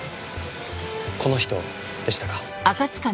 この人でしたか？